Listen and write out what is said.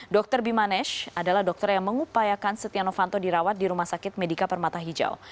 dr bimanesh adalah dokter yang mengupayakan setia novanto dirawat di rumah sakit medika permata hijau